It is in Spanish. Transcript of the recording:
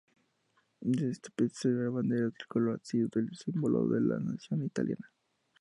Desde este episodio la bandera tricolor ha sido el símbolo de la nación italiana.